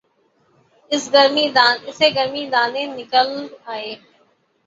اسے گرمی دانے نکل آئے